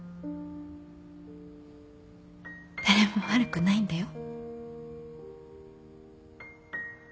誰も悪くないんだよ。